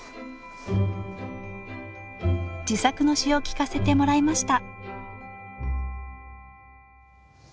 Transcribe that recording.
自作の詩を聞かせてもらいました